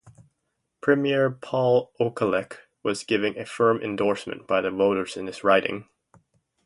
Premier Paul Okalik was given a firm endorsement by the voters in his riding.